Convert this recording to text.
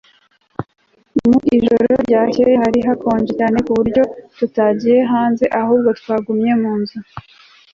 Mu ijoro ryakeye hari hakonje cyane ku buryo tutagiye hanze ahubwo twagumye mu nzu